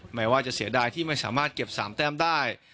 แม้ว่าจะเสียดายที่ไม่สามารถเก็บ๓แต้มได้